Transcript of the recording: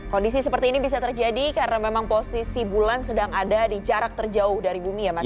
kondisi seperti ini bisa terjadi karena memang posisi bulan sedang ada di jarak terjauh dari bumi ya mas ya